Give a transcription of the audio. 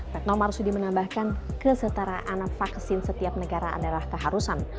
retno marsudi menambahkan kesetaraan vaksin setiap negara adalah keharusan